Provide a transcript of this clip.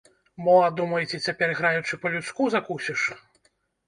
Мо а думаеце, цяпер, граючы, па-людску закусіш?!